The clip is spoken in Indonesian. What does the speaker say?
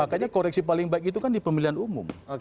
makanya koreksi paling baik itu kan di pemilihan umum